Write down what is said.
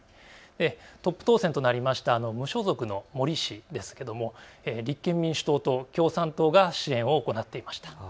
トップ当選となりました無所属の森氏ですけれど立憲民主党と共産党が支援を行っていました。